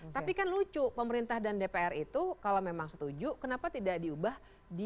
tapi kan lucu pemerintah dan dpr itu kalau memang setuju kenapa tidak diubah di